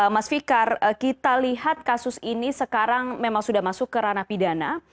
mas fikar kita lihat kasus ini sekarang memang sudah masuk ke ranah pidana